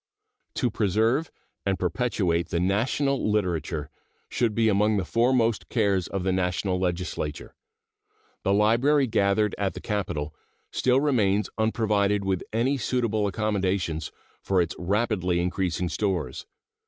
To preserve and perpetuate the national literature should be among the foremost cares of the National Legislature. The library gathered at the Capitol still remains unprovided with any suitable accommodations for its rapidly increasing stores.